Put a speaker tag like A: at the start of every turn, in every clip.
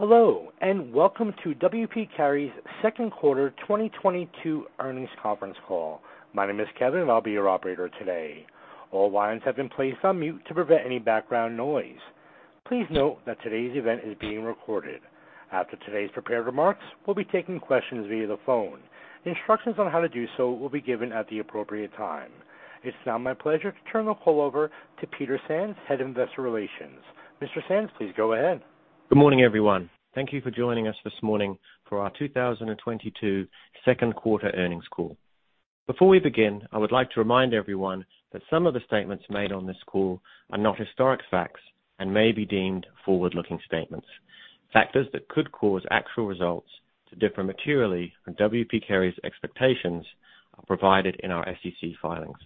A: Hello, and welcome to W. P. Carey's Second Quarter 2022 Earnings Conference Call. My name is Kevin. I'll be your operator today. All lines have been placed on mute to prevent any background noise. Please note that today's event is being recorded. After today's prepared remarks, we'll be taking questions via the phone. Instructions on how to do so will be given at the appropriate time. It's now my pleasure to turn the call over to Peter Sands, Head of Investor Relations. Mr. Sands, please go ahead.
B: Good morning, everyone. Thank you for joining us this morning for our 2022 Second Quarter Earnings Call. Before we begin, I would like to remind everyone that some of the statements made on this call are not historic facts and may be deemed forward-looking statements. Factors that could cause actual results to differ materially from W. P. Carey's expectations are provided in our SEC filings.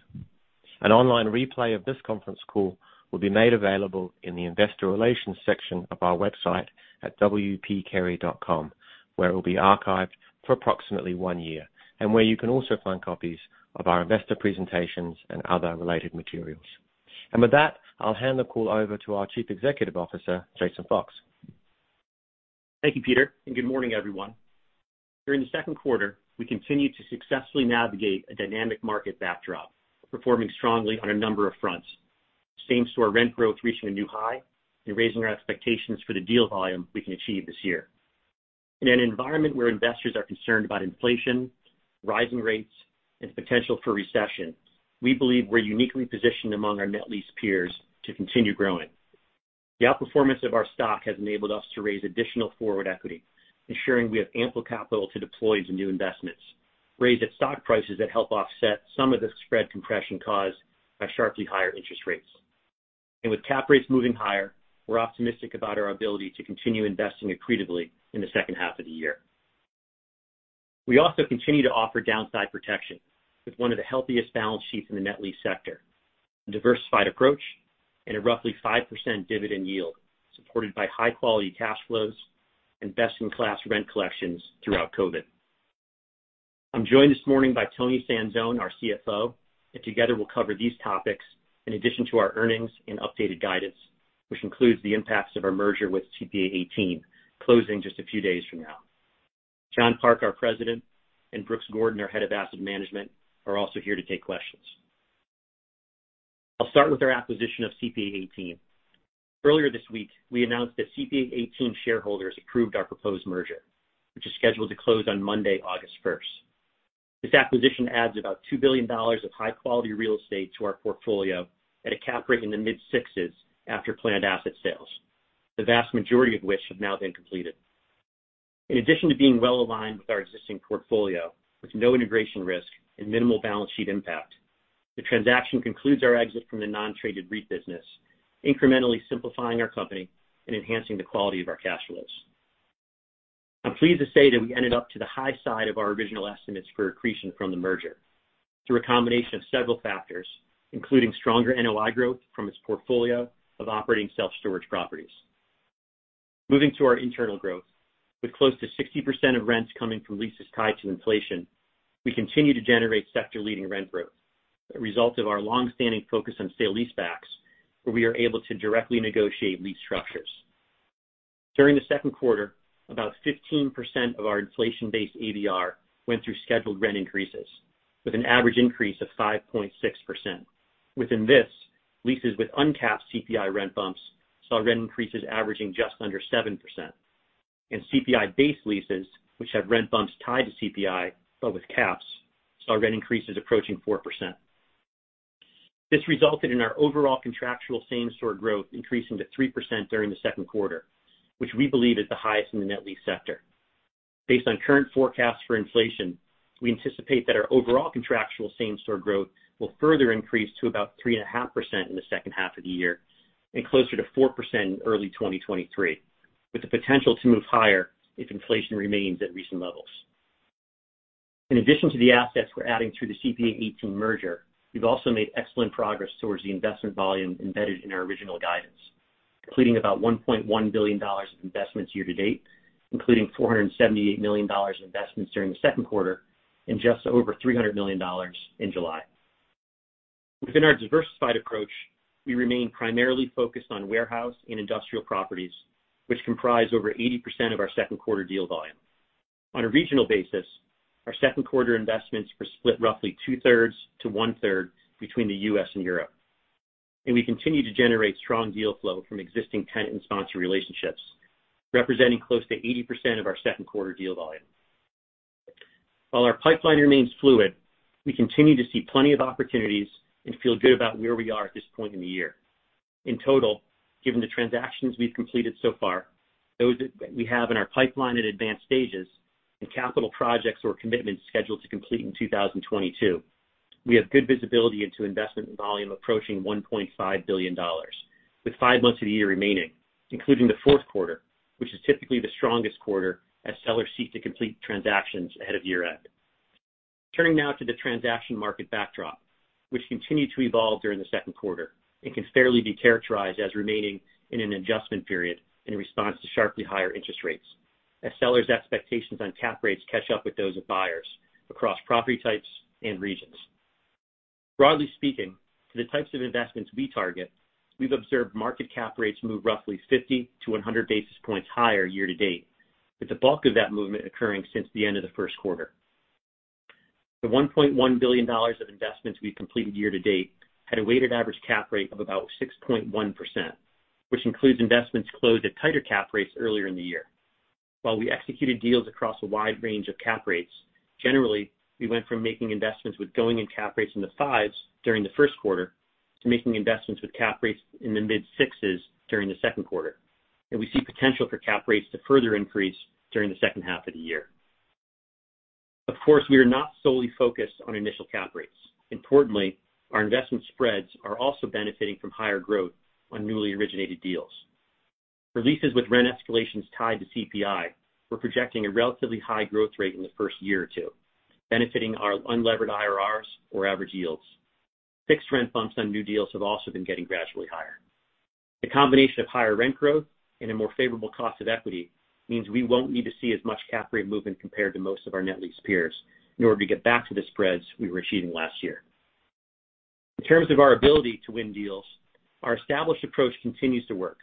B: An online replay of this conference call will be made available in the investor relations section of our website at wpcarey.com, where it will be archived for approximately one year and where you can also find copies of our investor presentations and other related materials. With that, I'll hand the call over to our Chief Executive Officer, Jason Fox.
C: Thank you, Peter, and good morning, everyone. During the second quarter, we continued to successfully navigate a dynamic market backdrop, performing strongly on a number of fronts. Same-store rent growth reaching a new high and raising our expectations for the deal volume we can achieve this year. In an environment where investors are concerned about inflation, rising rates, and potential for recession, we believe we're uniquely positioned among our net lease peers to continue growing. The outperformance of our stock has enabled us to raise additional forward equity, ensuring we have ample capital to deploy to new investments, raised at stock prices that help offset some of the spread compression caused by sharply higher interest rates. With cap rates moving higher, we're optimistic about our ability to continue investing accretively in the second half of the year. We also continue to offer downside protection with one of the healthiest balance sheets in the net lease sector, a diversified approach, and a roughly 5% dividend yield, supported by high quality cash flows and best-in-class rent collections throughout COVID. I'm joined this morning by Toni Sanzone, our CFO, and together we'll cover these topics in addition to our earnings and updated guidance, which includes the impacts of our merger with CPA:18 closing just a few days from now. John Park, our President, and Brooks Gordon, our Head of Asset Management, are also here to take questions. I'll start with our acquisition of CPA:18. Earlier this week, we announced that CPA:18 shareholders approved our proposed merger, which is scheduled to close on Monday, August 1st. This acquisition adds about $2 billion of high-quality real estate to our portfolio at a cap rate in the mid-sixes after planned asset sales, the vast majority of which have now been completed. In addition to being well aligned with our existing portfolio with no integration risk and minimal balance sheet impact, the transaction concludes our exit from the non-traded REIT business, incrementally simplifying our company and enhancing the quality of our cash flows. I'm pleased to say that we ended up to the high side of our original estimates for accretion from the merger through a combination of several factors, including stronger NOI growth from its portfolio of operating self-storage properties. Moving to our internal growth. With close to 60% of rents coming from leases tied to inflation, we continue to generate sector-leading rent growth, a result of our longstanding focus on sale-leasebacks, where we are able to directly negotiate lease structures. During the second quarter, about 15% of our inflation-based ABR went through scheduled rent increases with an average increase of 5.6%. Within this, leases with uncapped CPI rent bumps saw rent increases averaging just under 7%, and CPI-based leases, which had rent bumps tied to CPI but with caps, saw rent increases approaching 4%. This resulted in our overall contractual same-store growth increasing to 3% during the second quarter, which we believe is the highest in the net lease sector. Based on current forecasts for inflation, we anticipate that our overall contractual same-store growth will further increase to about 3.5% in the second half of the year and closer to 4% in early 2023, with the potential to move higher if inflation remains at recent levels. In addition to the assets we're adding through the CPA:18 merger, we've also made excellent progress towards the investment volume embedded in our original guidance, completing about $1.1 billion of investments year to date, including $478 million in investments during the second quarter and just over $300 million in July. Within our diversified approach, we remain primarily focused on warehouse and industrial properties, which comprise over 80% of our second quarter deal volume. On a regional basis, our second quarter investments were split roughly two-thirds to one-third between the U.S. and Europe. We continue to generate strong deal flow from existing tenant and sponsor relationships, representing close to 80% of our second quarter deal volume. While our pipeline remains fluid, we continue to see plenty of opportunities and feel good about where we are at this point in the year. In total, given the transactions we've completed so far, those that we have in our pipeline at advanced stages, and capital projects or commitments scheduled to complete in 2022, we have good visibility into investment volume approaching $1.5 billion, with five months of the year remaining, including the fourth quarter, which is typically the strongest quarter as sellers seek to complete transactions ahead of year-end. Turning now to the transaction market backdrop, which continued to evolve during the second quarter and can fairly be characterized as remaining in an adjustment period in response to sharply higher interest rates as sellers' expectations on cap rates catch up with those of buyers across property types and regions. Broadly speaking, to the types of investments we target, we've observed market cap rates move roughly 50-100 basis points higher year to date, with the bulk of that movement occurring since the end of the first quarter. The $1.1 billion of investments we completed year to date had a weighted average cap rate of about 6.1%, which includes investments closed at tighter cap rates earlier in the year. While we executed deals across a wide range of cap rates, generally, we went from making investments with going-in cap rates in the fives during the first quarter to making investments with cap rates in the mid-sixes during the second quarter, and we see potential for cap rates to further increase during the second half of the year. Of course, we are not solely focused on initial cap rates. Importantly, our investment spreads are also benefiting from higher growth on newly originated deals. For leases with rent escalations tied to CPI, we're projecting a relatively high growth rate in the first year or two, benefiting our unlevered IRRs or average yields. Fixed rent bumps on new deals have also been getting gradually higher. The combination of higher rent growth and a more favorable cost of equity means we won't need to see as much cap rate movement compared to most of our net lease peers in order to get back to the spreads we were achieving last year. In terms of our ability to win deals, our established approach continues to work,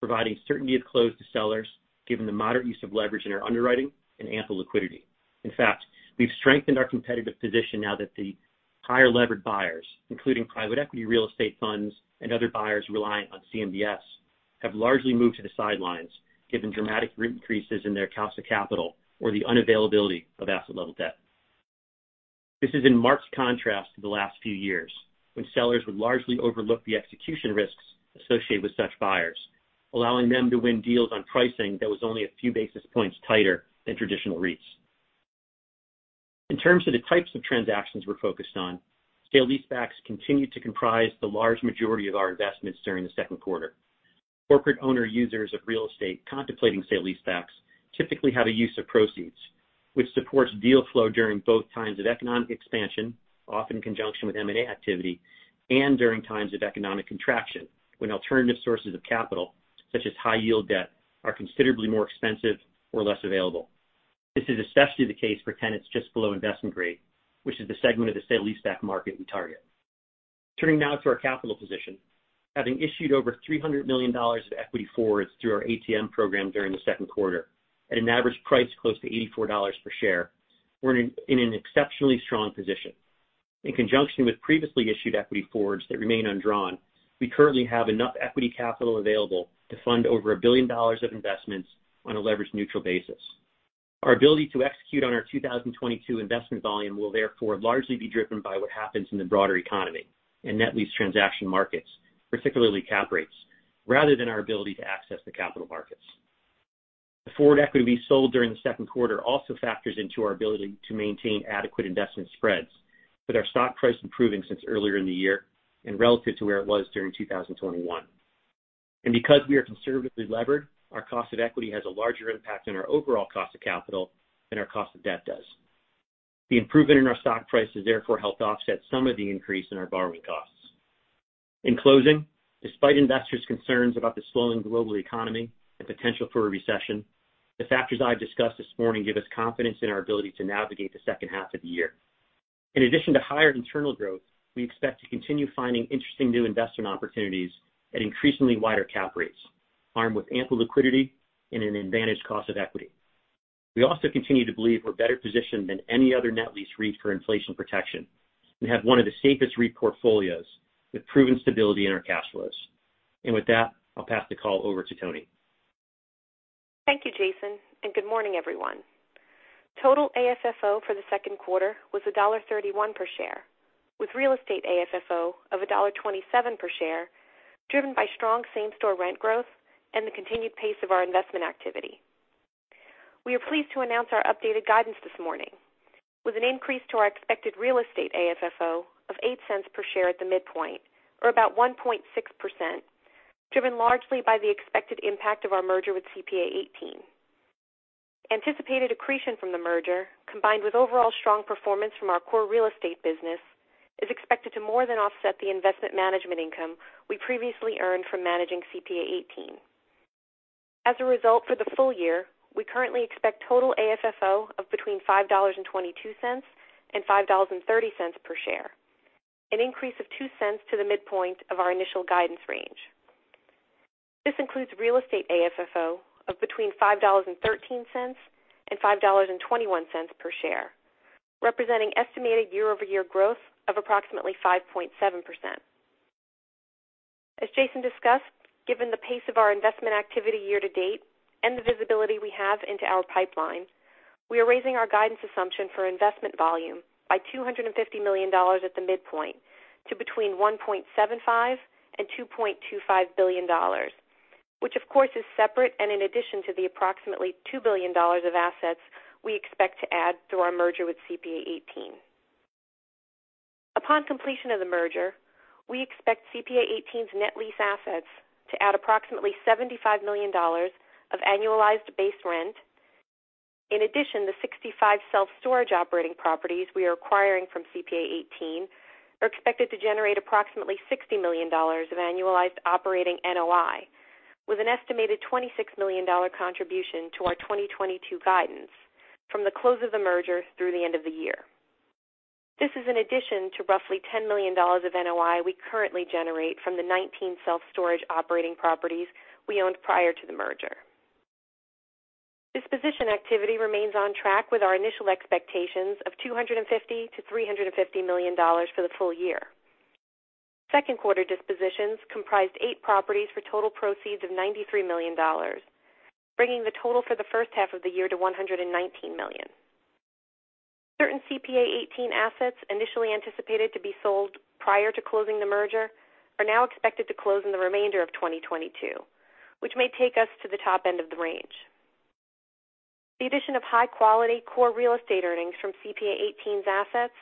C: providing certainty of close to sellers given the moderate use of leverage in our underwriting and ample liquidity. In fact, we've strengthened our competitive position now that the higher-levered buyers, including private equity real estate funds and other buyers relying on CMBS, have largely moved to the sidelines given dramatic rate increases in their cost of capital or the unavailability of asset-level debt. This is in marked contrast to the last few years, when sellers would largely overlook the execution risks associated with such buyers, allowing them to win deals on pricing that was only a few basis points tighter than traditional REITs. In terms of the types of transactions we're focused on, sale leasebacks continue to comprise the large majority of our investments during the second quarter. Corporate owner-users of real estate contemplating sale leasebacks typically have a use of proceeds, which supports deal flow during both times of economic expansion, often in conjunction with M&A activity, and during times of economic contraction, when alternative sources of capital, such as high-yield debt, are considerably more expensive or less available. This is especially the case for tenants just below investment grade, which is the segment of the sale leaseback market we target. Turning now to our capital position. Having issued over $300 million of equity forwards through our ATM program during the second quarter at an average price close to $84 per share, we're in an exceptionally strong position. In conjunction with previously issued equity forwards that remain undrawn, we currently have enough equity capital available to fund over $1 billion of investments on a leverage-neutral basis. Our ability to execute on our 2022 investment volume will therefore largely be driven by what happens in the broader economy and net lease transaction markets, particularly cap rates, rather than our ability to access the capital markets. The forward equity we sold during the second quarter also factors into our ability to maintain adequate investment spreads, with our stock price improving since earlier in the year and relative to where it was during 2021. Because we are conservatively levered, our cost of equity has a larger impact on our overall cost of capital than our cost of debt does. The improvement in our stock price has therefore helped offset some of the increase in our borrowing costs. In closing, despite investors' concerns about the slowing global economy and potential for a recession, the factors I've discussed this morning give us confidence in our ability to navigate the second half of the year. In addition to higher internal growth, we expect to continue finding interesting new investment opportunities at increasingly wider cap rates, armed with ample liquidity and an advantaged cost of equity. We also continue to believe we're better positioned than any other net lease REIT for inflation protection and have one of the safest REIT portfolios with proven stability in our cash flows. With that, I'll pass the call over to Toni.
D: Thank you, Jason, and good morning, everyone. Total AFFO for the second quarter was $1.31 per share, with real estate AFFO of $1.27 per share, driven by strong same-store rent growth and the continued pace of our investment activity. We are pleased to announce our updated guidance this morning, with an increase to our expected real estate AFFO of $0.08 per share at the midpoint, or about 1.6%, driven largely by the expected impact of our merger with CPA:18. Anticipated accretion from the merger, combined with overall strong performance from our core real estate business, is expected to more than offset the investment management income we previously earned from managing CPA:18. As a result, for the full year, we currently expect total AFFO of between $5.22 and $5.30 per share, an increase of $0.02 to the midpoint of our initial guidance range. This includes real estate AFFO of between $5.13 and $5.21 per share, representing estimated year-over-year growth of approximately 5.7%. As Jason discussed, given the pace of our investment activity year to date and the visibility we have into our pipeline, we are raising our guidance assumption for investment volume by $250 million at the midpoint to between $1.75 billion and $2.25 billion, which of course is separate and in addition to the approximately $2 billion of assets we expect to add through our merger with CPA:18. Upon completion of the merger, we expect CPA:18's net lease assets to add approximately $75 million of annualized base rent. In addition, the 65 self-storage operating properties we are acquiring from CPA:18 are expected to generate approximately $60 million of annualized operating NOI, with an estimated $26 million contribution to our 2022 guidance from the close of the merger through the end of the year. This is in addition to roughly $10 million of NOI we currently generate from the 19 self-storage operating properties we owned prior to the merger. Disposition activity remains on track with our initial expectations of $250 million-$350 million for the full year. Second quarter dispositions comprised eight properties for total proceeds of $93 million, bringing the total for the first half of the year to $119 million. Certain CPA:18 assets initially anticipated to be sold prior to closing the merger are now expected to close in the remainder of 2022, which may take us to the top end of the range. The addition of high-quality core real estate earnings from CPA:18's assets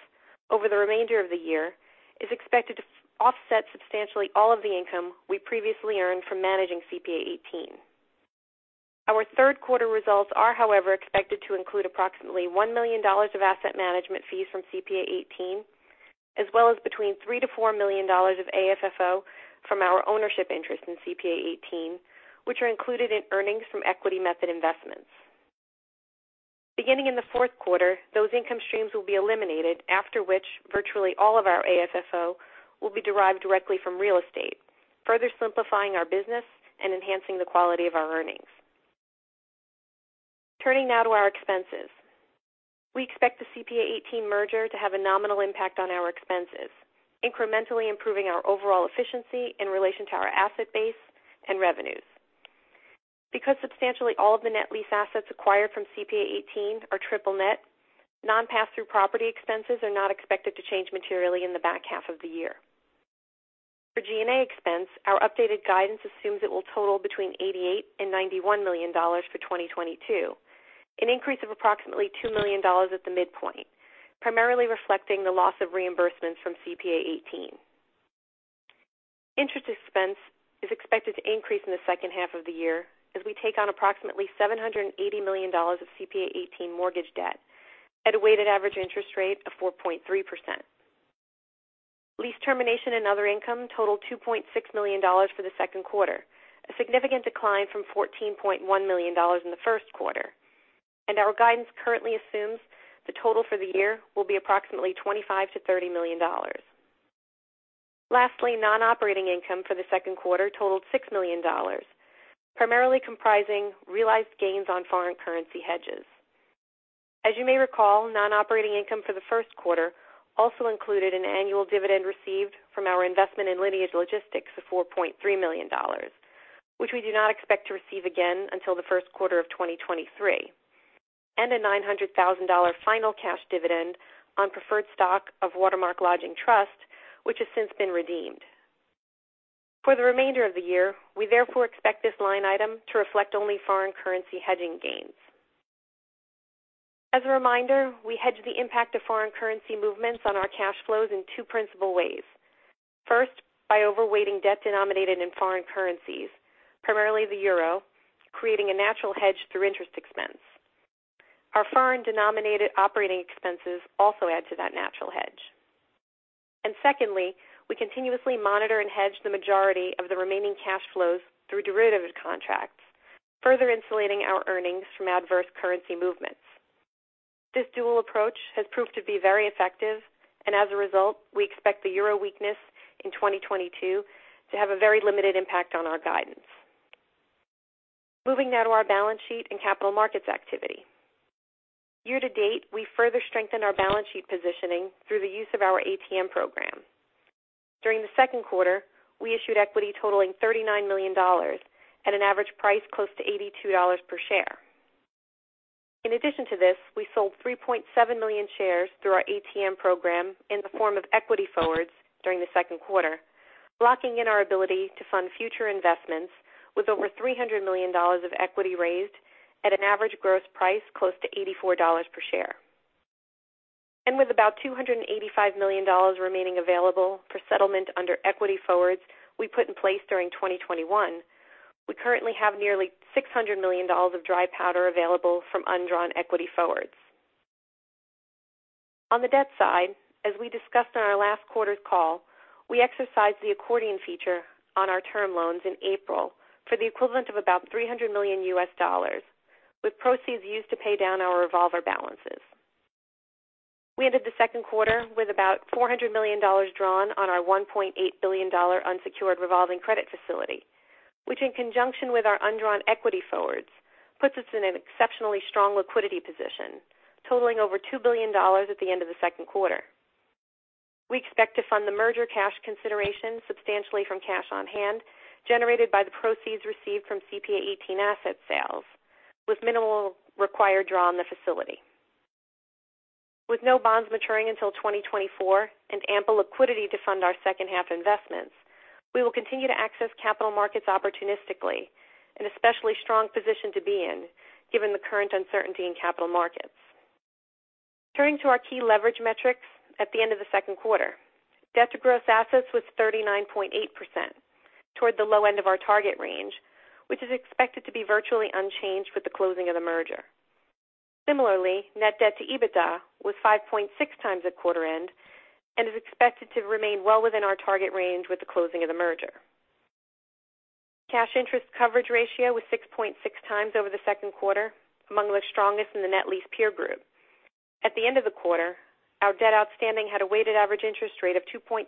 D: over the remainder of the year is expected to offset substantially all of the income we previously earned from managing CPA:18. Our third quarter results are, however, expected to include approximately $1 million of asset management fees from CPA:18, as well as between $3 million-$4 million of AFFO from our ownership interest in CPA:18, which are included in earnings from equity method investments. Beginning in the fourth quarter, those income streams will be eliminated, after which virtually all of our AFFO will be derived directly from real estate, further simplifying our business and enhancing the quality of our earnings. Turning now to our expenses. We expect the CPA:18 merger to have a nominal impact on our expenses, incrementally improving our overall efficiency in relation to our asset base and revenues. Because substantially all of the net lease assets acquired from CPA:18 are triple net, non-pass-through property expenses are not expected to change materially in the back half of the year. For G&A expense, our updated guidance assumes it will total between $88 million and $91 million for 2022, an increase of approximately $2 million at the midpoint, primarily reflecting the loss of reimbursements from CPA:18. Interest expense is expected to increase in the second half of the year as we take on approximately $780 million of CPA:18 mortgage debt at a weighted average interest rate of 4.3%. Lease termination and other income totaled $2.6 million for the second quarter, a significant decline from $14.1 million in the first quarter. Our guidance currently assumes the total for the year will be approximately $25 million-$30 million. Lastly, non-operating income for the second quarter totaled $6 million, primarily comprising realized gains on foreign currency hedges. As you may recall, non-operating income for the first quarter also included an annual dividend received from our investment in Lineage Logistics of $4.3 million, which we do not expect to receive again until the first quarter of 2023, and a $900,000 final cash dividend on preferred stock of Watermark Lodging Trust, which has since been redeemed. For the remainder of the year, we therefore expect this line item to reflect only foreign currency hedging gains. As a reminder, we hedge the impact of foreign currency movements on our cash flows in two principal ways. First, by overweighting debt denominated in foreign currencies, primarily the euro, creating a natural hedge through interest expense. Our foreign-denominated operating expenses also add to that natural hedge. Secondly, we continuously monitor and hedge the majority of the remaining cash flows through derivative contracts, further insulating our earnings from adverse currency movements. This dual approach has proved to be very effective, and as a result, we expect the euro weakness in 2022 to have a very limited impact on our guidance. Moving now to our balance sheet and capital markets activity. Year to date, we further strengthened our balance sheet positioning through the use of our ATM program. During the second quarter, we issued equity totaling $39 million at an average price close to $82 per share. In addition to this, we sold 3.7 million shares through our ATM program in the form of equity forwards during the second quarter, locking in our ability to fund future investments with over $300 million of equity raised at an average gross price close to $84 per share. With about $285 million remaining available for settlement under equity forwards we put in place during 2021, we currently have nearly $600 million of dry powder available from undrawn equity forwards. On the debt side, as we discussed on our last quarter's call, we exercised the accordion feature on our term loans in April for the equivalent of about $300 million, with proceeds used to pay down our revolver balances. We ended the second quarter with about $400 million drawn on our $1.8 billion unsecured revolving credit facility, which in conjunction with our undrawn equity forwards, puts us in an exceptionally strong liquidity position, totaling over $2 billion at the end of the second quarter. We expect to fund the merger cash consideration substantially from cash on hand generated by the proceeds received from CPA:18 asset sales, with minimal required draw on the facility. With no bonds maturing until 2024 and ample liquidity to fund our second half investments, we will continue to access capital markets opportunistically, an especially strong position to be in given the current uncertainty in capital markets. Turning to our key leverage metrics at the end of the second quarter. Debt to gross assets was 39.8% toward the low end of our target range, which is expected to be virtually unchanged with the closing of the merger. Similarly, net debt to EBITDA was 5.6x at quarter end and is expected to remain well within our target range with the closing of the merger. Cash interest coverage ratio was 6.6x over the second quarter, among the strongest in the net lease peer group. At the end of the quarter, our debt outstanding had a weighted average interest rate of 2.6%,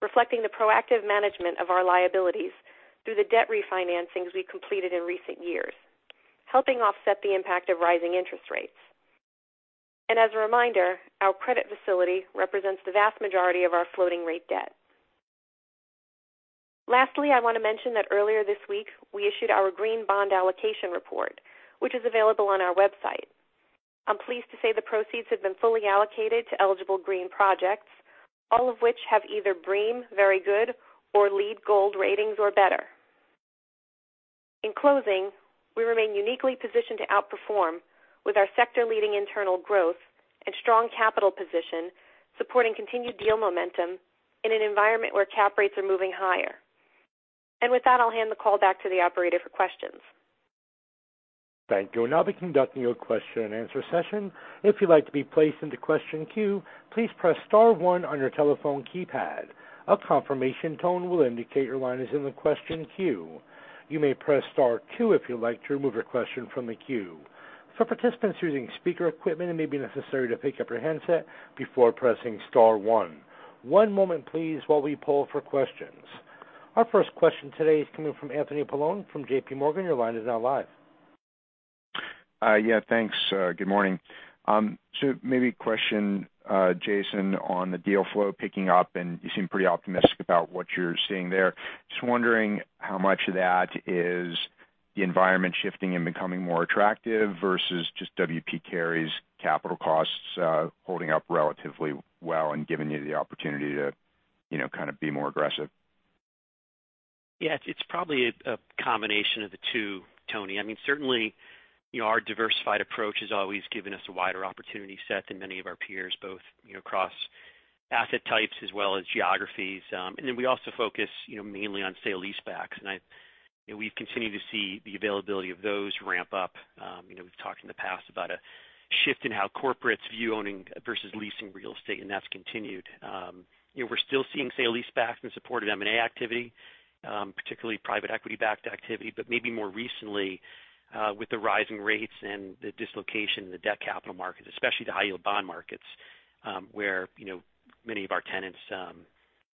D: reflecting the proactive management of our liabilities through the debt refinancings we completed in recent years, helping offset the impact of rising interest rates. As a reminder, our credit facility represents the vast majority of our floating rate debt. Lastly, I wanna mention that earlier this week, we issued our green bond allocation report, which is available on our website. I'm pleased to say the proceeds have been fully allocated to eligible green projects, all of which have either BREEAM Very Good or LEED Gold ratings or better. In closing, we remain uniquely positioned to outperform with our sector-leading internal growth and strong capital position, supporting continued deal momentum in an environment where cap rates are moving higher. With that, I'll hand the call back to the operator for questions.
A: Thank you. I'll now be conducting your question-and-answer session. If you'd like to be placed into question queue, please press star one on your telephone keypad. A confirmation tone will indicate your line is in the question queue. You may press star two if you'd like to remove your question from the queue. For participants using speaker equipment, it may be necessary to pick up your handset before pressing star one. One moment please while we poll for questions. Our first question today is coming from Anthony Paolone from JPMorgan. Your line is now live.
E: Yeah, thanks. Good morning. Maybe a question, Jason, on the deal flow picking up, and you seem pretty optimistic about what you're seeing there. Just wondering how much of that is the environment shifting and becoming more attractive versus just W. P. Carey's capital costs holding up relatively well and giving you the opportunity to, you know, kind of be more aggressive.
C: Yeah, it's probably a combination of the two, Tony. I mean, certainly, you know, our diversified approach has always given us a wider opportunity set than many of our peers, both, you know, across asset types as well as geographies. And then we also focus, you know, mainly on sale-leasebacks. You know, we've continued to see the availability of those ramp up. You know, we've talked in the past about a shift in how corporates view owning versus leasing real estate, and that's continued. You know, we're still seeing sale-leasebacks in support of M&A activity, particularly private equity-backed activity. Maybe more recently, with the rising rates and the dislocation in the debt capital markets, especially the high-yield bond markets, where, you know, many of our tenants,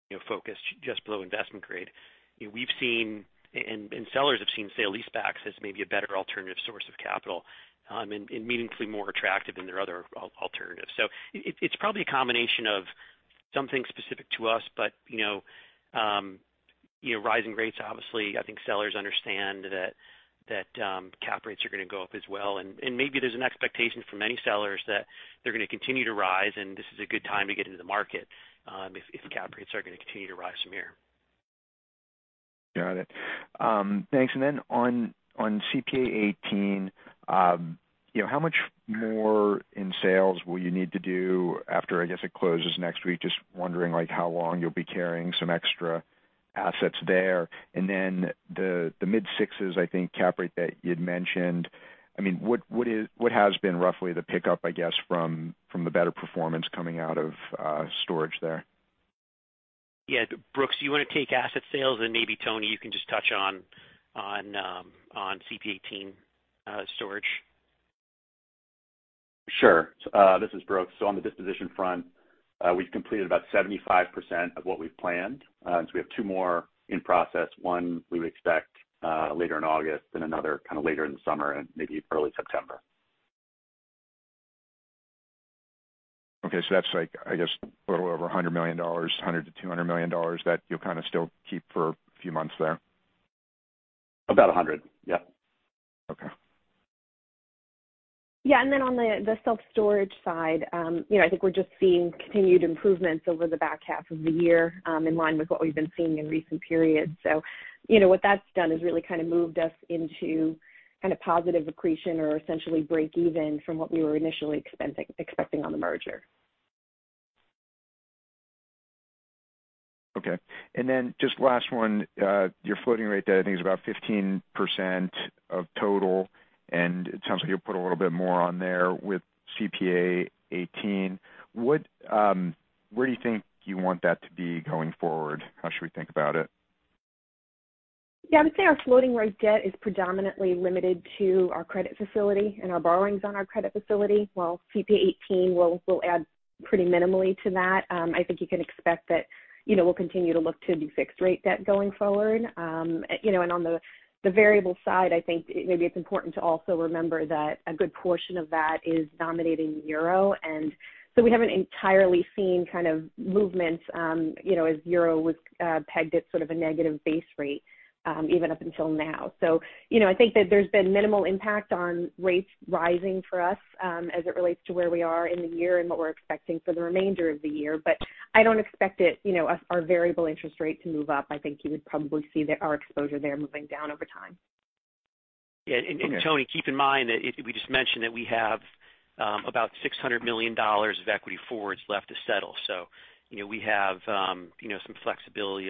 C: you know, focus just below investment grade. You know, we've seen and sellers have seen sale-leasebacks as maybe a better alternative source of capital, and meaningfully more attractive than their other alternatives. It's probably a combination of something specific to us. You know, rising rates, obviously. I think sellers understand that cap rates are gonna go up as well. Maybe there's an expectation from many sellers that they're gonna continue to rise, and this is a good time to get into the market, if cap rates are gonna continue to rise from here.
E: Got it. Thanks. On CPA:18, you know, how much more in sales will you need to do after, I guess, it closes next week? Just wondering, like, how long you'll be carrying some extra assets there. Then the mid-sixes, I think, cap rate that you'd mentioned. I mean, what has been roughly the pickup, I guess, from the better performance coming out of storage there?
C: Yeah. Brooks, do you wanna take asset sales? Maybe Toni, you can just touch on CPA:18, storage.
F: Sure. This is Brooks. On the disposition front, we've completed about 75% of what we've planned. We have two more in process, one we would expect later in August and another kind of later in the summer and maybe early September.
E: Okay. That's like, I guess, a little over $100 million, $100 million-$200 million that you'll kind of still keep for a few months there.
F: About $100 million. Yeah.
E: Okay.
D: Yeah. Then on the self-storage side, you know, I think we're just seeing continued improvements over the back half of the year, in line with what we've been seeing in recent periods. You know, what that's done is really kind of moved us into kind of positive accretion or essentially break even from what we were initially expecting on the merger.
E: Okay. Just last one, your floating rate debt, I think is about 15% of total, and it sounds like you'll put a little bit more on there with CPA:18. What, where do you think you want that to be going forward? How should we think about it?
D: Yeah, I would say our floating rate debt is predominantly limited to our credit facility and our borrowings on our credit facility. While CPA:18 will add pretty minimally to that. I think you can expect that, you know, we'll continue to look to do fixed rate debt going forward. You know, and on the variable side, I think maybe it's important to also remember that a good portion of that is denominated in euro. We haven't entirely seen kind of movements, you know, as the euro was pegged at sort of a negative base rate, even up until now. You know, I think that there's been minimal impact on rates rising for us, as it relates to where we are in the year and what we're expecting for the remainder of the year. I don't expect it, you know, our variable interest rate to move up. I think you would probably see our exposure there moving down over time.
C: Yeah Tony, keep in mind that we just mentioned that we have about $600 million of equity forwards left to settle. You know, we have you know some flexibility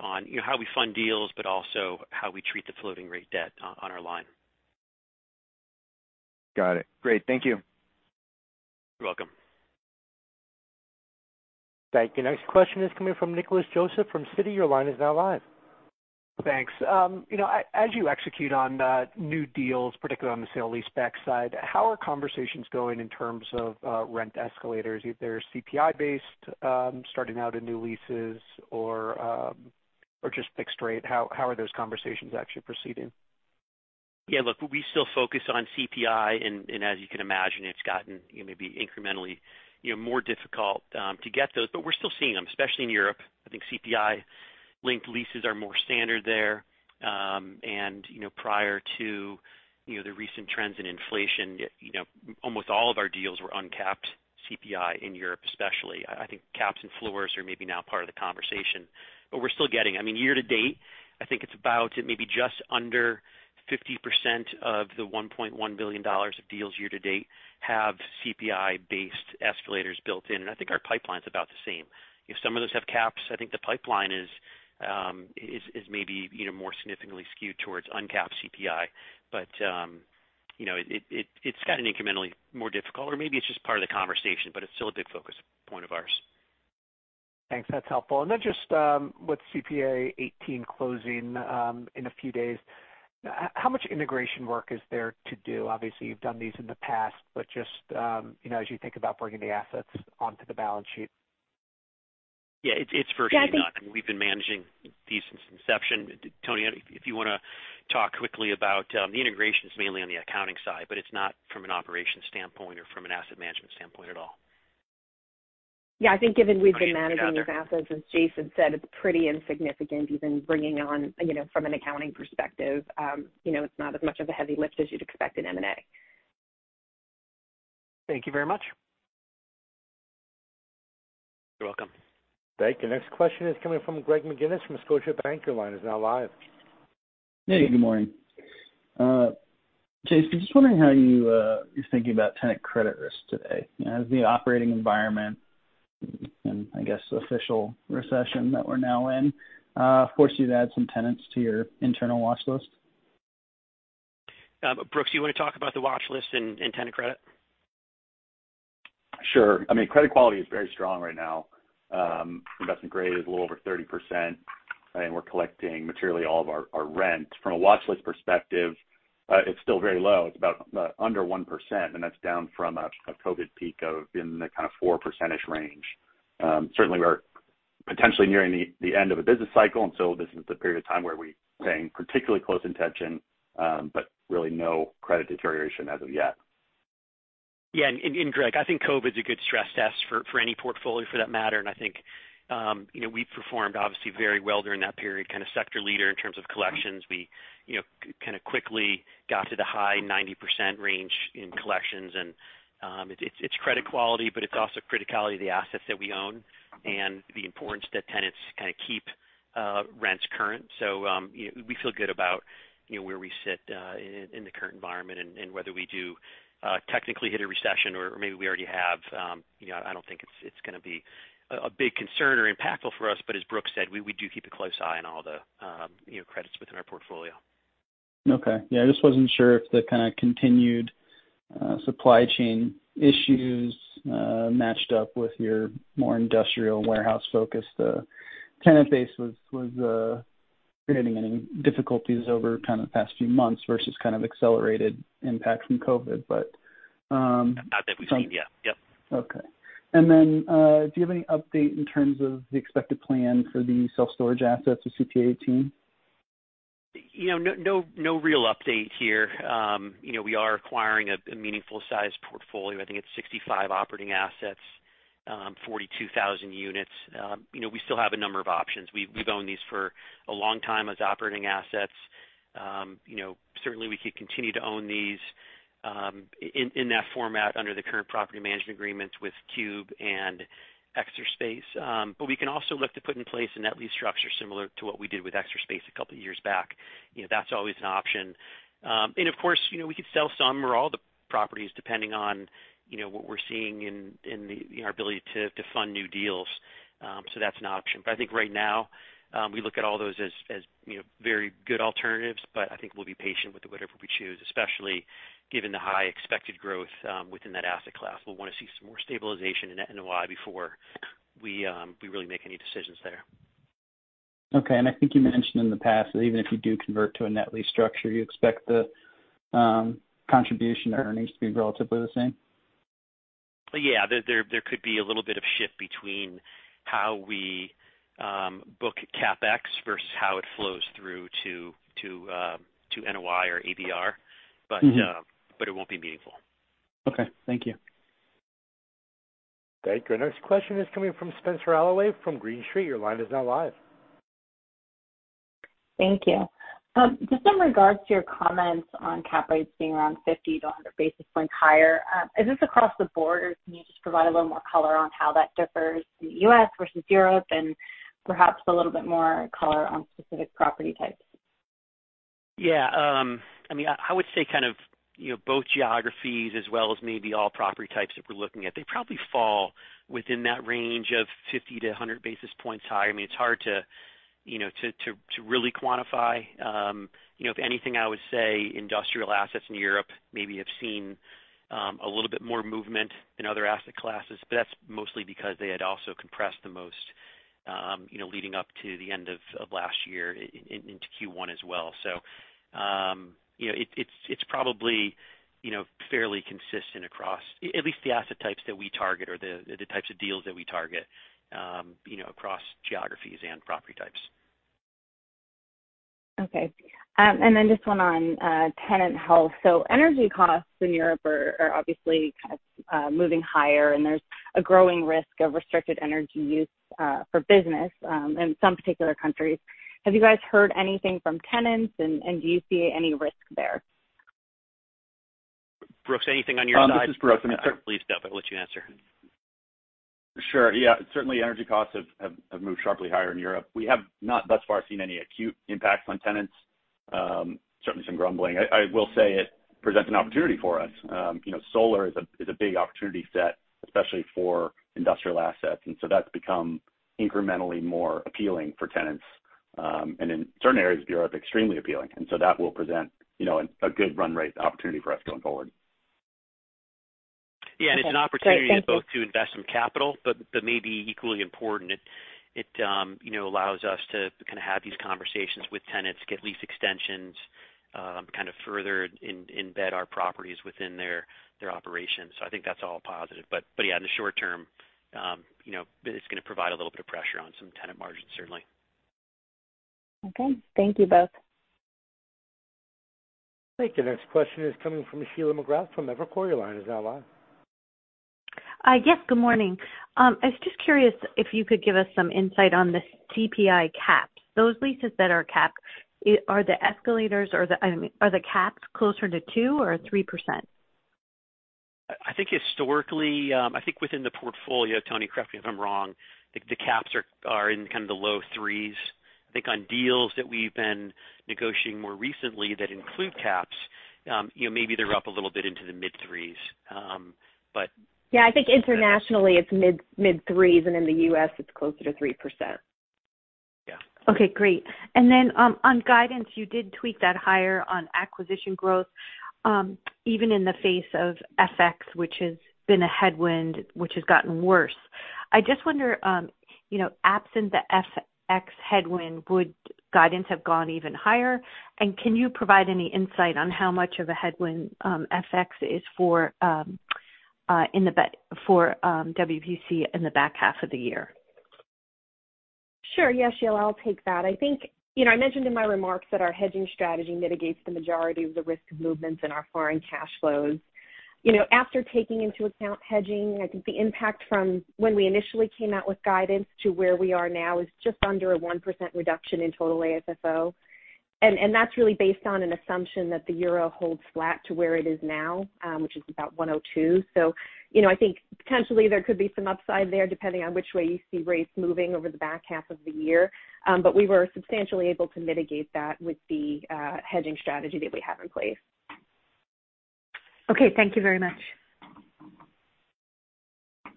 C: on how we fund deals, but also how we treat the floating rate debt on our line.
E: Got it. Great. Thank you.
F: You're welcome.
A: Thank you. Next question is coming from Nicholas Joseph from Citi. Your line is now live.
G: Thanks. You know, as you execute on new deals, particularly on the sale leaseback side, how are conversations going in terms of rent escalators, if they're CPI based, starting out in new leases or just fixed rate? How are those conversations actually proceeding?
C: Yeah, look, we still focus on CPI, and as you can imagine, it's gotten, you know, maybe incrementally, you know, more difficult to get those. We're still seeing them, especially in Europe. I think CPI-linked leases are more standard there. You know, prior to, you know, the recent trends in inflation, you know, almost all of our deals were uncapped CPI in Europe, especially. I think caps and floors are maybe now part of the conversation. We're still getting. I mean, year to date, I think it's about maybe just under 50% of the $1.1 billion of deals year to date have CPI-based escalators built in. I think our pipeline is about the same. If some of those have caps, I think the pipeline is maybe, you know, more significantly skewed towards uncapped CPI. You know, it's gotten incrementally more difficult, or maybe it's just part of the conversation, but it's still a big focus point of ours.
G: Thanks. That's helpful. Just with CPA:18 closing in a few days, how much integration work is there to do? Obviously, you've done these in the past, but just you know, as you think about bringing the assets onto the balance sheet.
C: Yeah. It's virtually none. I mean, we've been managing these since inception. Tony, if you wanna talk quickly about the integration is mainly on the accounting side, but it's not from an operations standpoint or from an asset management standpoint at all.
D: Yeah. I think given we've been managing these assets, as Jason said, it's pretty insignificant even bringing on, you know, from an accounting perspective. You know, it's not as much of a heavy lift as you'd expect in M&A.
G: Thank you very much.
C: You're welcome.
A: Thank you. Next question is coming from Greg McGinnis from Scotiabank. Your line is now live.
H: Hey, good morning. Jason, just wondering how you're thinking about tenant credit risk today? Has the operating environment and I guess official recession that we're now in, forced you to add some tenants to your internal watch list?
C: Brooks, you wanna talk about the watch list and tenant credit?
F: Sure. I mean, credit quality is very strong right now. Investment grade is a little over 30%, and we're collecting materially all of our rent. From a watch list perspective, it's still very low. It's about under 1%, and that's down from a COVID peak of in the kind of 4% range. Certainly we're potentially nearing the end of a business cycle, and so this is the period of time where we paying particularly close attention, but really no credit deterioration as of yet.
C: Greg, I think COVID is a good stress test for any portfolio for that matter. I think you know we performed obviously very well during that period, kind of sector leader in terms of collections. We you know kind of quickly got to the high 90% range in collections. It's credit quality, but it's also criticality of the assets that we own and the importance that tenants kind of keep rents current. You know we feel good about you know where we sit in the current environment and whether we do technically hit a recession or maybe we already have you know I don't think it's gonna be a big concern or impactful for us. As Brooks said, we do keep a close eye on all the, you know, credits within our portfolio.
H: Okay. Yeah. I just wasn't sure if the kind of continued supply chain issues matched up with your more industrial warehouse focus. The tenant base was creating any difficulties over kind of the past few months versus kind of accelerated impact from COVID.
C: Not that we've seen. Yeah. Yep.
H: Okay. Do you have any update in terms of the expected plan for the self-storage assets of CPA:18?
C: You know, no real update here. You know, we are acquiring a meaningful size portfolio. I think it's 65 operating assets, 42,000 units. You know, we still have a number of options. We've owned these for a long time as operating assets. You know, certainly we could continue to own these in that format under the current property management agreements with Cube and Extra Space. We can also look to put in place a net lease structure similar to what we did with Extra Space a couple of years back. You know, that's always an option. Of course, you know, we could sell some or all the properties depending on what we're seeing in our ability to fund new deals. That's an option. I think right now, we look at all those as you know, very good alternatives, but I think we'll be patient with whatever we choose, especially given the high expected growth, within that asset class. We'll wanna see some more stabilization in NOI before we really make any decisions there.
H: Okay. I think you mentioned in the past that even if you do convert to a net lease structure, you expect the contribution earnings to be relatively the same.
C: Yeah. There could be a little bit of shift between how we book CapEx versus how it flows through to NOI or ABR.
H: Mm-hmm.
C: It won't be meaningful.
H: Okay. Thank you.
A: Thank you. Our next question is coming from Spenser Allaway from Green Street. Your line is now live.
I: Thank you. Just in regards to your comments on cap rates being around 50-100 basis points higher, is this across the board? Or can you just provide a little more color on how that differs in the U.S. versus Europe and perhaps a little bit more color on specific property types?
C: I mean, I would say kind of, you know, both geographies as well as maybe all property types that we're looking at, they probably fall within that range of 50-100 basis points high. I mean, it's hard to, you know, to really quantify. You know, if anything, I would say industrial assets in Europe maybe have seen a little bit more movement in other asset classes, but that's mostly because they had also compressed the most. You know, leading up to the end of last year into Q1 as well. It's probably, you know, fairly consistent across at least the asset types that we target or the types of deals that we target, you know, across geographies and property types.
I: Okay. Then just one on tenant health. Energy costs in Europe are obviously kind of moving higher, and there's a growing risk of restricted energy use for business in some particular countries. Have you guys heard anything from tenants, and do you see any risk there?
C: Brooks, anything on your side?
F: This is Brooks.
C: I believe so, but I'll let you answer.
F: Sure. Yeah. Certainly energy costs have moved sharply higher in Europe. We have not thus far seen any acute impacts on tenants. Certainly some grumbling. I will say it presents an opportunity for us. You know, solar is a big opportunity set, especially for industrial assets, and so that's become incrementally more appealing for tenants, and in certain areas of Europe, extremely appealing. That will present, you know, a good run rate opportunity for us going forward.
I: Okay. Great. Thank you.
C: Yeah. It's an opportunity both to invest some capital, but maybe equally important, you know, allows us to kinda have these conversations with tenants, get lease extensions, kind of further embed our properties within their operations. I think that's all positive. Yeah, in the short term, you know, it's gonna provide a little bit of pressure on some tenant margins certainly.
I: Okay. Thank you both.
A: Thank you. Next question is coming from Sheila McGrath from Evercore. Your line is now live.
J: Yes, good morning. I was just curious if you could give us some insight on the CPI caps. Those leases that are capped, are the escalators. I mean, are the caps closer to 2% or 3%?
C: I think historically, I think within the portfolio, Toni, correct me if I'm wrong, the caps are in kind of the low threes. I think on deals that we've been negotiating more recently that include caps, you know, maybe they're up a little bit into the mid threes.
D: Yeah. I think internationally it's mid-threes, and in the U.S. it's closer to 3%.
C: Yeah.
J: Okay, great. On guidance, you did tweak that higher on acquisition growth, even in the face of FX, which has been a headwind, which has gotten worse. I just wonder, you know, absent the FX headwind, would guidance have gone even higher? Can you provide any insight on how much of a headwind, FX is for, WPC in the back half of the year?
D: Sure, yeah, Sheila, I'll take that. I think you know, I mentioned in my remarks that our hedging strategy mitigates the majority of the risk of movements in our foreign cash flows. You know, after taking into account hedging, I think the impact from when we initially came out with guidance to where we are now is just under 1% reduction in total AFFO. That's really based on an assumption that the euro holds flat to where it is now, which is about 1.02. You know, I think potentially there could be some upside there depending on which way you see rates moving over the back half of the year. We were substantially able to mitigate that with the hedging strategy that we have in place.
J: Okay. Thank you very much.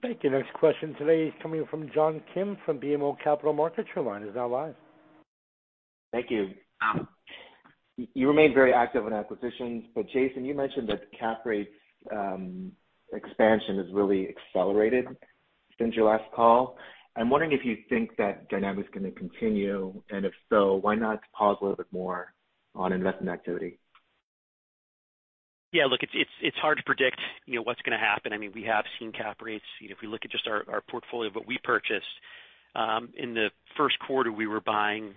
A: Thank you. Next question today is coming from John Kim from BMO Capital Markets. Your line is now live.
K: Thank you. You remain very active in acquisitions, but Jason, you mentioned that cap rates expansion has really accelerated since your last call. I'm wondering if you think that dynamic's gonna continue, and if so, why not pause a little bit more on investment activity?
C: Yeah. Look, it's hard to predict, you know, what's gonna happen. I mean, we have seen cap rates. You know, if we look at just our portfolio, what we purchased in the first quarter, we were buying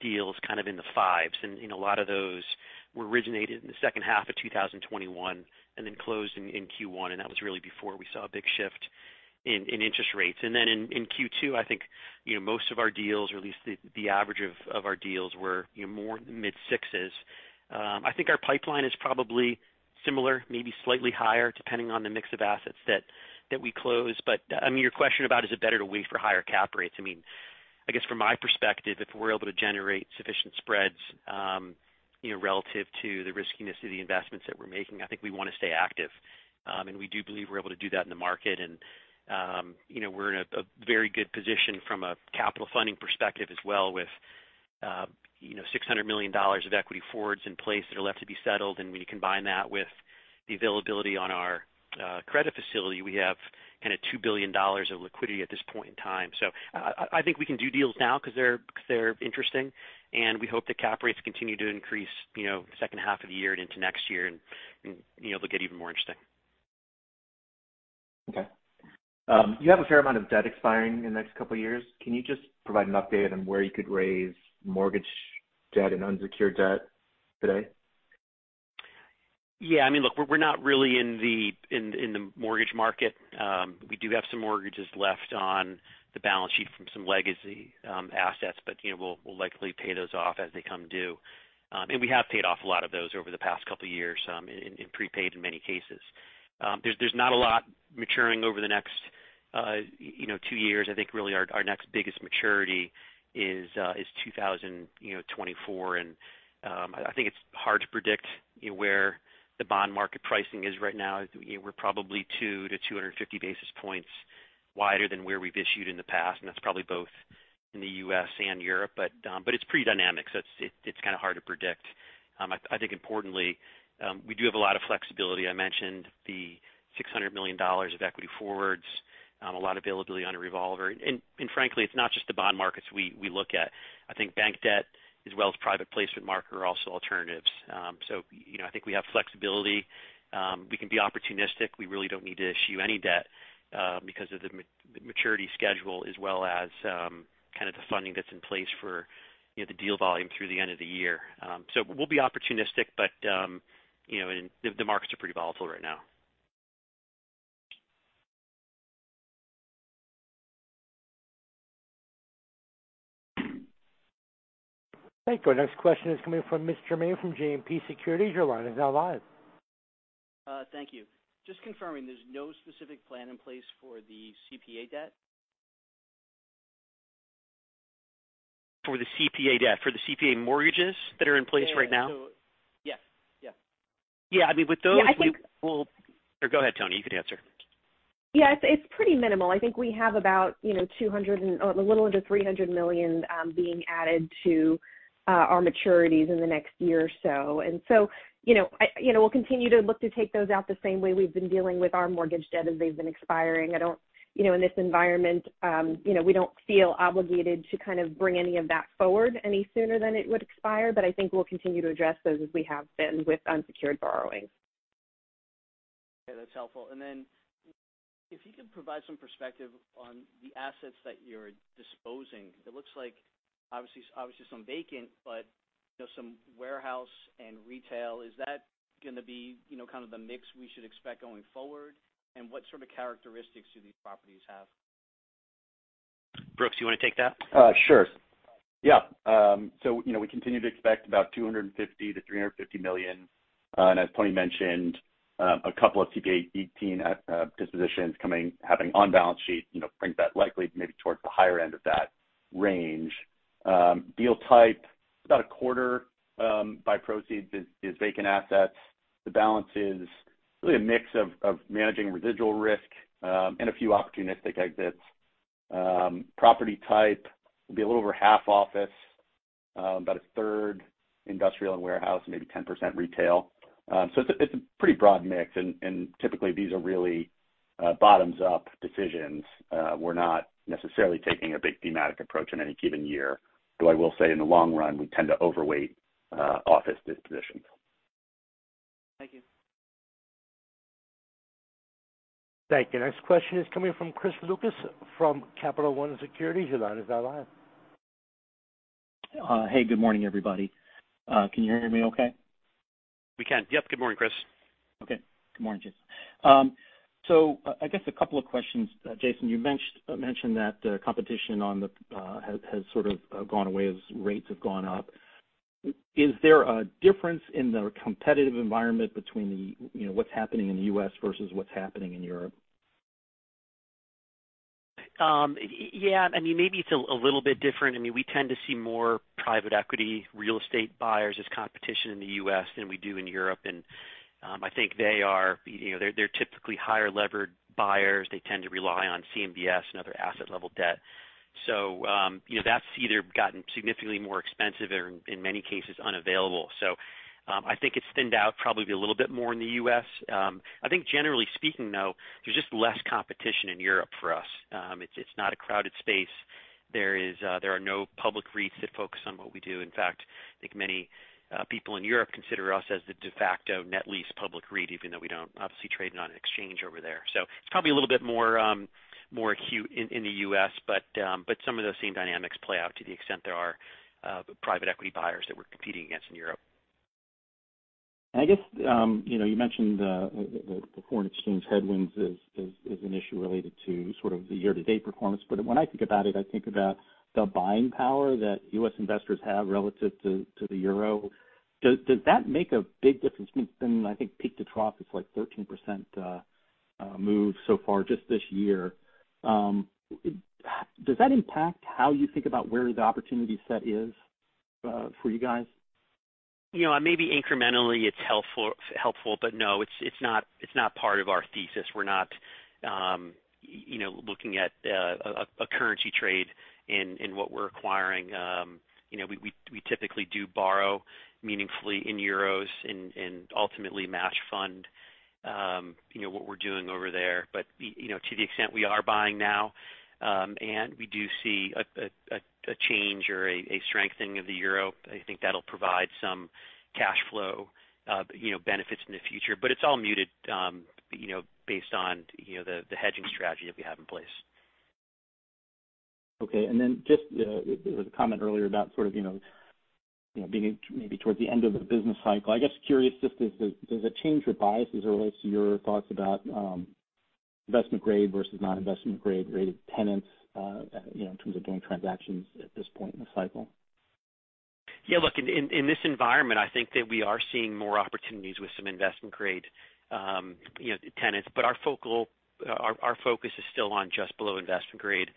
C: deals kind of in the fives. You know, a lot of those were originated in the second half of 2021 and then closed in Q1, and that was really before we saw a big shift in interest rates. In Q2, I think, you know, most of our deals, or at least the average of our deals were, you know, more in the mid-sixes. I think our pipeline is probably similar, maybe slightly higher, depending on the mix of assets that we close. I mean, your question about is it better to wait for higher cap rates, I mean, I guess from my perspective, if we're able to generate sufficient spreads, you know, relative to the riskiness of the investments that we're making, I think we wanna stay active. We do believe we're able to do that in the market. You know, we're in a very good position from a capital funding perspective as well with, you know, $600 million of equity forwards in place that are left to be settled. When you combine that with the availability on our credit facility, we have kinda $2 billion of liquidity at this point in time. I think we can do deals now 'cause they're interesting, and we hope that cap rates continue to increase, you know, second half of the year and into next year and you know, they'll get even more interesting.
K: Okay. You have a fair amount of debt expiring in the next couple years. Can you just provide an update on where you could raise mortgage debt and unsecured debt today?
C: Yeah. I mean, look, we're not really in the mortgage market. We do have some mortgages left on the balance sheet from some legacy assets, but you know, we'll likely pay those off as they come due. We have paid off a lot of those over the past couple years and prepaid in many cases. There's not a lot maturing over the next two years. I think really our next biggest maturity is 2024. I think it's hard to predict, you know, where the bond market pricing is right now. You know, we're probably 200-250 basis points wider than where we've issued in the past, and that's probably both in the U.S. and Europe, but it's pretty dynamic, so it's kind of hard to predict. I think importantly, we do have a lot of flexibility. I mentioned the $600 million of equity forwards, a lot of availability on a revolver. Frankly, it's not just the bond markets we look at. I think bank debt as well as private placement market are also alternatives. You know, I think we have flexibility. We can be opportunistic. We really don't need to issue any debt because of the maturity schedule as well as kind of the funding that's in place for the deal volume through the end of the year. We'll be opportunistic, but, you know, and the markets are pretty volatile right now.
A: Thank you. Our next question is coming from Mitch Germain from JMP Securities. Your line is now live.
L: Thank you. Just confirming, there's no specific plan in place for the CPA debt?
C: For the CPA debt. For the CPA mortgages that are in place right now?
L: Yeah. Yes. Yeah.
C: Yeah. I mean, with those we will.
D: Yeah, I think.
C: Go ahead, Toni. You can answer.
D: Yes, it's pretty minimal. I think we have about $200 million or a little under $300 million being added to our maturities in the next year or so. You know, I, you know, we'll continue to look to take those out the same way we've been dealing with our mortgage debt as they've been expiring. I don't, you know, in this environment, you know, we don't feel obligated to kind of bring any of that forward any sooner than it would expire. I think we'll continue to address those as we have been with unsecured borrowing.
L: Okay, that's helpful. Then if you could provide some perspective on the assets that you're disposing? It looks like obviously some vacant, but, you know, some warehouse and retail. Is that gonna be, you know, kind of the mix we should expect going forward? What sort of characteristics do these properties have?
C: Brooks, you wanna take that?
F: Sure. Yeah. You know, we continue to expect about $250 million-$350 million. As Toni mentioned, a couple of CPA:18 dispositions coming, having on balance sheet, you know, brings that likely maybe towards the higher end of that range. Deal type, about a quarter by proceeds is vacant assets. The balance is really a mix of managing residual risk and a few opportunistic exits. Property type will be a little over half office, about a third industrial and warehouse, maybe 10% retail. It's a pretty broad mix. Typically these are really bottoms-up decisions. We're not necessarily taking a big thematic approach in any given year. Though I will say in the long run, we tend to overweight office dispositions.
L: Thank you.
A: Thank you. Next question is coming from Chris Lucas from Capital One Securities. Your line is now live.
M: Hey, good morning, everybody. Can you hear me okay?
C: We can. Yep. Good morning, Chris.
M: Okay. Good morning, Jason. I guess a couple of questions. Jason, you mentioned that competition has sort of gone away as rates have gone up. Is there a difference in the competitive environment between what's happening in the U.S. versus what's happening in Europe?
C: Yeah. I mean, maybe it's a little bit different. I mean, we tend to see more private equity real estate buyers as competition in the U.S. than we do in Europe. I think they are, you know, they're typically higher levered buyers. They tend to rely on CMBS and other asset level debt. You know, that's either gotten significantly more expensive or, in many cases, unavailable. I think it's thinned out probably a little bit more in the U.S. I think generally speaking, though, there's just less competition in Europe for us. It's not a crowded space. There are no public REITs that focus on what we do. In fact, I think many people in Europe consider us as the de facto net lease public REIT, even though we don't obviously trade on an exchange over there. It's probably a little bit more acute in the U.S. Some of those same dynamics play out to the extent there are private equity buyers that we're competing against in Europe.
M: I guess, you know, you mentioned the foreign exchange headwinds is an issue related to sort of the year-to-date performance. But when I think about it, I think about the buying power that U.S. investors have relative to the euro. Does that make a big difference? I mean, I think peak to trough, it's like 13% move so far just this year. Does that impact how you think about where the opportunity set is for you guys?
C: You know, maybe incrementally it's helpful, but no, it's not part of our thesis. We're not looking at a currency trade in what we're acquiring. You know, we typically do borrow meaningfully in euros and ultimately match fund what we're doing over there. But you know, to the extent we are buying now, and we do see a change or a strengthening of the euro, I think that'll provide some cash flow benefits in the future. But it's all muted, you know, based on the hedging strategy that we have in place.
M: Okay. Just, there was a comment earlier about sort of, you know, being maybe towards the end of the business cycle. I guess curious just if there's a change of biases or what's your thoughts about investment grade versus non-investment grade rated tenants, you know, in terms of doing transactions at this point in the cycle?
C: Yeah, look, in this environment, I think that we are seeing more opportunities with some investment grade, you know, tenants. Our focus is still on just below investment grade.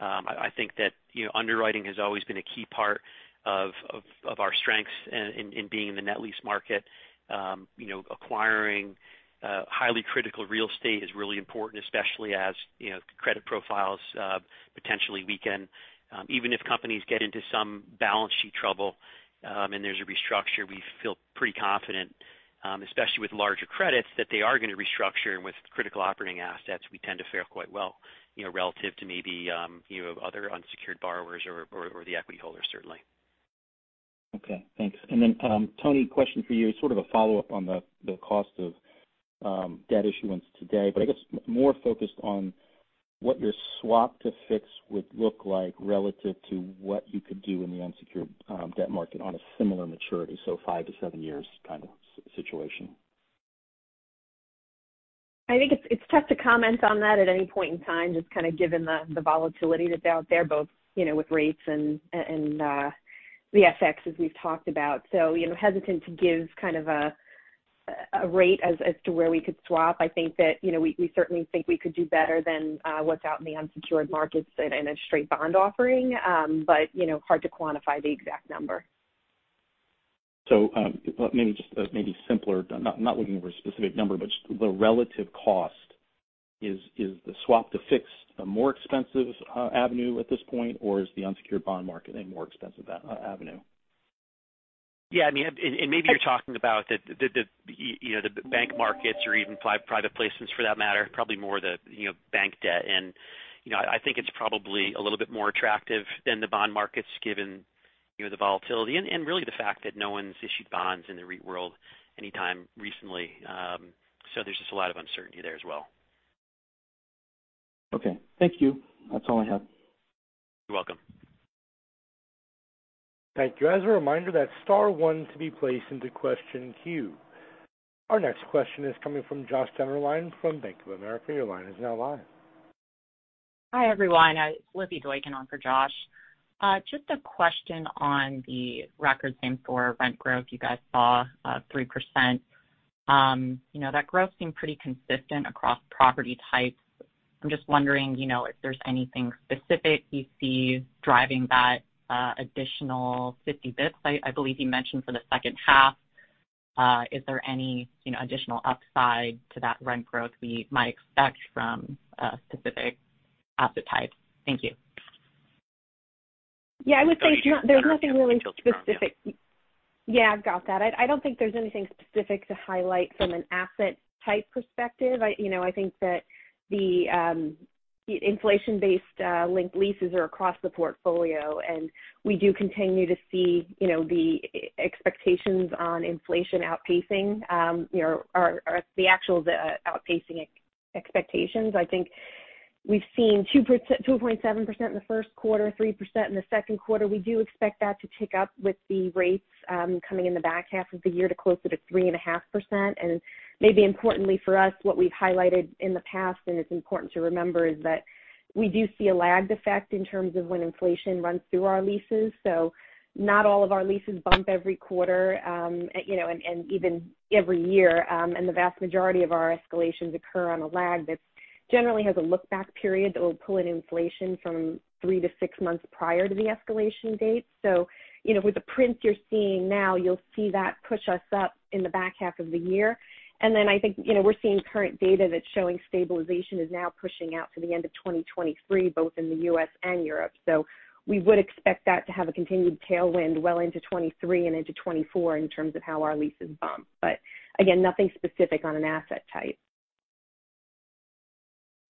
C: I think that, you know, underwriting has always been a key part of our strengths in being in the net lease market. You know, acquiring highly critical real estate is really important, especially as, you know, credit profiles potentially weaken. Even if companies get into some balance sheet trouble, and there's a restructure, we feel pretty confident, especially with larger credits that they are gonna restructure with critical operating assets, we tend to fare quite well, you know, relative to maybe, you know, other unsecured borrowers or the equity holders certainly.
M: Okay. Thanks. Toni, question for you, sort of a follow-up on the cost of debt issuance today, but I guess more focused on what your swap to fix would look like relative to what you could do in the unsecured debt market on a similar maturity, so five-seven years kind of situation.
D: I think it's tough to comment on that at any point in time, just kind of given the volatility that's out there, both you know with rates and the FX as we've talked about. You know, hesitant to give kind of a rate as to where we could swap. I think that you know we certainly think we could do better than what's out in the unsecured markets in a straight bond offering. You know hard to quantify the exact number.
M: Let me just maybe simpler. Not looking for a specific number, but the relative cost. Is the swap to fix a more expensive avenue at this point, or is the unsecured bond market a more expensive avenue?
C: Yeah. I mean, and maybe you're talking about the, you know, the bank markets or even private placements for that matter, probably more the, you know, bank debt. You know, I think it's probably a little bit more attractive than the bond markets given, you know, the volatility and really the fact that no one's issued bonds in the REIT world anytime recently. There's just a lot of uncertainty there as well.
M: Okay. Thank you. That's all I have.
C: You're welcome.
A: Thank you. As a reminder, that's star one to be placed into question queue. Our next question is coming from Josh Dennerlein from Bank of America. Your line is now live.
N: Hi, everyone. It's Lizzy Doykan on for Josh. Just a question on the same-store rent growth. You guys saw 3%. You know, that growth seemed pretty consistent across property types. I'm just wondering, you know, if there's anything specific you see driving that additional 50 basis points I believe you mentioned for the second half. Is there any, you know, additional upside to that rent growth we might expect from specific asset types? Thank you.
D: Yeah. I would say there's nothing really specific. Yeah, got that. I don't think there's anything specific to highlight from an asset type perspective. You know, I think that the inflation-based linked leases are across the portfolio, and we do continue to see, you know, the expectations on inflation outpacing, or the actual outpacing expectations. I think we've seen 2.7% in the first quarter, 3% in the second quarter. We do expect that to tick up with the rates coming in the back half of the year to closer to 3.5%. Maybe importantly for us, what we've highlighted in the past, and it's important to remember, is that we do see a lagged effect in terms of when inflation runs through our leases. Not all of our leases bump every quarter, you know, and even every year. The vast majority of our escalations occur on a lag that generally has a look back period that will pull in inflation from three to six months prior to the escalation date. You know, with the prints you're seeing now, you'll see that push us up in the back half of the year. I think, you know, we're seeing current data that's showing stabilization is now pushing out to the end of 2023, both in the U.S. and Europe. We would expect that to have a continued tailwind well into 2023 and into 2024 in terms of how our leases bump. Again, nothing specific on an asset type.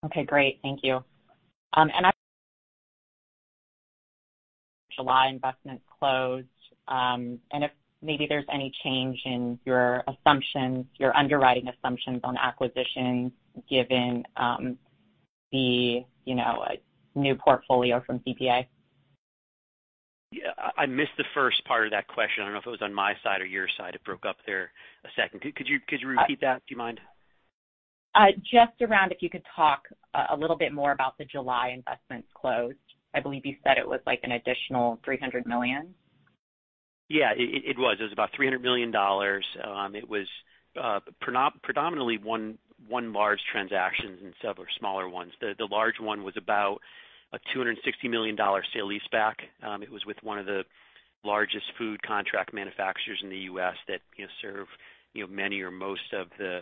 N: Okay, great. Thank you. July investment closed. If maybe there's any change in your assumptions, your underwriting assumptions on acquisitions given the, you know, new portfolio from CPA?
C: Yeah. I missed the first part of that question. I don't know if it was on my side or your side. It broke up there a second. Could you repeat that? Do you mind?
N: Just around if you could talk a little bit more about the July investments closed. I believe you said it was like an additional $300 million.
C: Yeah. It was. It was about $300 million. It was predominantly one large transaction and several smaller ones. The large one was about a $260 million sale leaseback. It was with one of the largest food contract manufacturers in the U.S. that, you know, serve many or most of the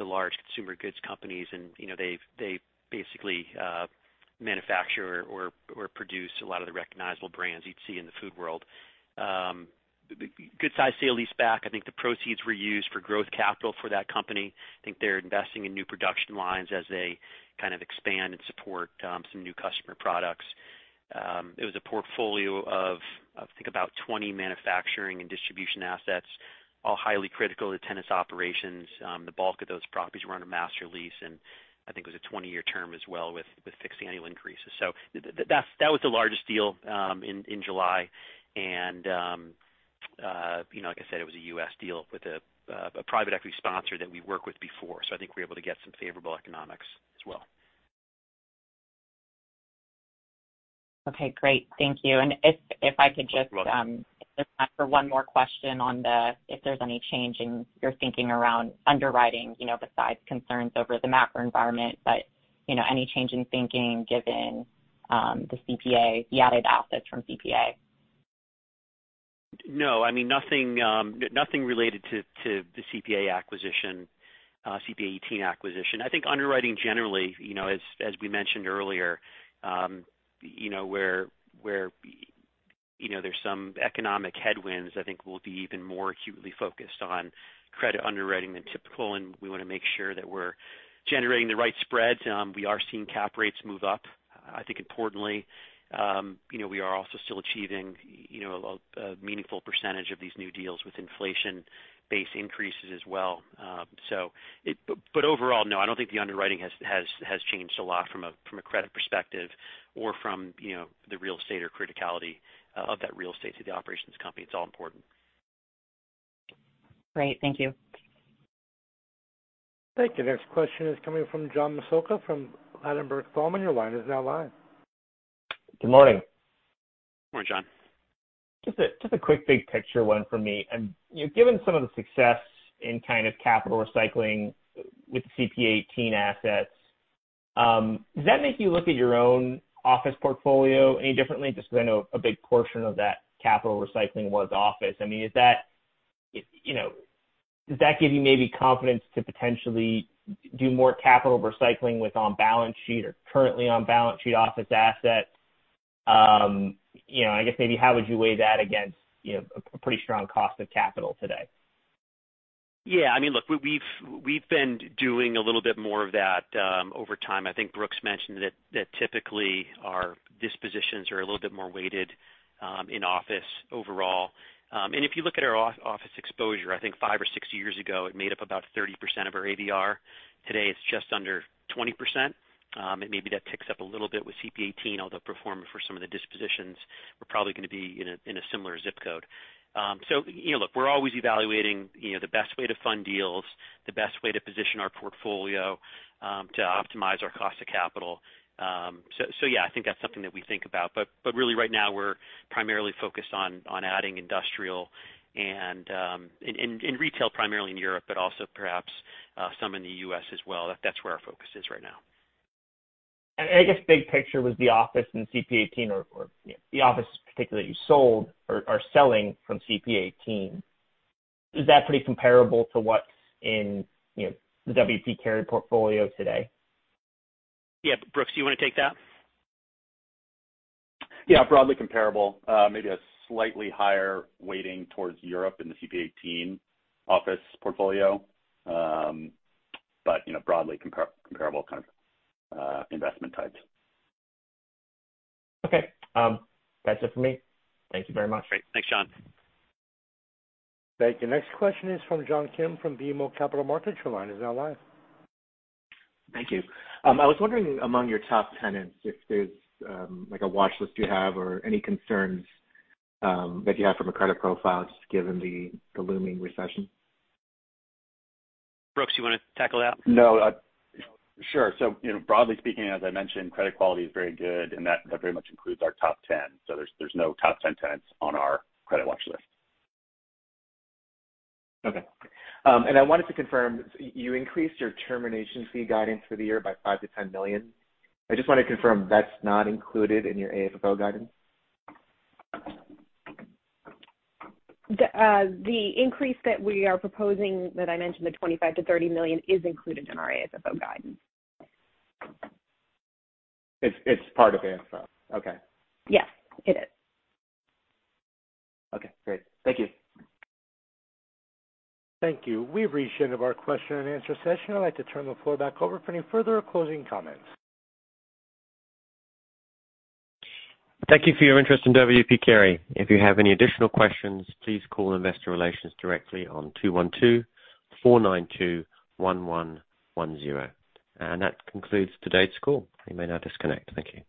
C: large consumer goods companies. You know, they basically manufacture or produce a lot of the recognizable brands you'd see in the food world. Good size sale leaseback. I think the proceeds were used for growth capital for that company. I think they're investing in new production lines as they kind of expand and support some new customer products. It was a portfolio of, I think about 20 manufacturing and distribution assets, all highly critical to tenants' operations. The bulk of those properties were under master lease, and I think it was a 20-year term as well with fixed annual increases. That was the largest deal in July. You know, like I said, it was a U.S. deal with a private equity sponsor that we worked with before. I think we were able to get some favorable economics as well.
N: Okay, great. Thank you. If I could just, if there's time for one more question, if there's any change in your thinking around underwriting, you know, besides concerns over the macro environment, but you know, any change in thinking given the CPA, the added assets from CPA?
C: No, I mean, nothing related to the CPA:18 acquisition. CPA:18 acquisition. I think underwriting generally, you know, as we mentioned earlier, you know, where you know, there's some economic headwinds, I think we'll be even more acutely focused on credit underwriting than typical, and we wanna make sure that we're generating the right spreads. We are seeing cap rates move up. I think importantly, you know, we are also still achieving, you know, a meaningful percentage of these new deals with inflation-based increases as well. But overall, no, I don't think the underwriting has changed a lot from a credit perspective or from you know, the real estate or criticality of that real estate to the operating company. It's all important.
N: Great. Thank you.
A: Thank you. The next question is coming from John Massocca from Ladenburg Thalmann. Your line is now live.
O: Good morning.
C: Good morning, John.
O: Just a quick big picture one from me. You know, given some of the success in kind of capital recycling with the CPA:18 assets, does that make you look at your own office portfolio any differently? Just 'cause I know a big portion of that capital recycling was office. I mean, is that, you know, does that give you maybe confidence to potentially do more capital recycling with on balance sheet or currently on balance sheet office assets? You know, I guess maybe how would you weigh that against, you know, a pretty strong cost of capital today?
C: Yeah. I mean, look, we've been doing a little bit more of that over time. I think Brooks mentioned that typically our dispositions are a little bit more weighted in office overall. If you look at our office exposure, I think five or six years ago, it made up about 30% of our ABR. Today, it's just under 20%. Maybe that ticks up a little bit with CPA:18, although performance for some of the dispositions, we're probably gonna be in a similar zip code. You know, look, we're always evaluating the best way to fund deals, the best way to position our portfolio to optimize our cost of capital. Yeah, I think that's something that we think about. Really right now we're primarily focused on adding industrial and retail primarily in Europe, but also perhaps some in the U.S. as well. That's where our focus is right now.
O: I guess big picture was the office and CPA:18 or, you know, the office particularly you sold or are selling from CPA:18. Is that pretty comparable to what's in, you know, the W. P. Carey portfolio today?
C: Yeah. Brooks, you wanna take that?
F: Yeah. Broadly comparable. Maybe a slightly higher weighting towards Europe in the CPA:18 office portfolio. But, you know, broadly comparable kind of investment types.
O: Okay. That's it for me. Thank you very much.
C: Great. Thanks, John.
A: Thank you. Next question is from John Kim from BMO Capital Markets. Your line is now live.
K: Thank you. I was wondering among your top tenants if there's like a watch list you have or any concerns that you have from a credit profile just given the looming recession.
C: Brooks, you wanna tackle that?
F: No. Sure. You know, broadly speaking, as I mentioned, credit quality is very good, and that very much includes our top ten. There's no top ten tenants on our credit watch list.
K: Okay. I wanted to confirm, you increased your termination fee guidance for the year by $5 million-$10 million. I just wanna confirm, that's not included in your AFFO guidance.
D: The increase that we are proposing that I mentioned, the $25 million-$30 million, is included in our AFFO guidance.
K: It's part of AFFO. Okay.
D: Yes, it is.
K: Okay, great. Thank you.
A: Thank you. We've reached the end of our question and answer session. I'd like to turn the floor back over for any further closing comments.
B: Thank you for your interest in W. P. Carey. If you have any additional questions, please call investor relations directly on 212-492-1110. That concludes today's call. You may now disconnect. Thank you.